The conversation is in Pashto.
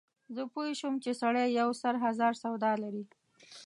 زه پوی شوم چې سړی یو سر هزار سودا دی.